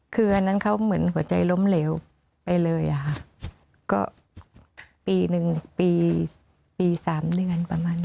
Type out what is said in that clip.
คืออันนั้นเขาเหมือนหัวใจล้มเหลวไปเลยอะค่ะก็ปีหนึ่งปีปี๓เดือนประมาณนี้